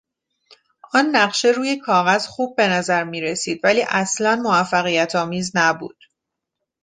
آن نقشه روی کاغذ خوب به نظر میرسید ولی اصلا موفقیت آمیز نبود.